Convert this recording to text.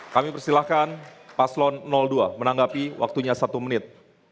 kami persilahkan paslon dua menanggapi waktunya satu menit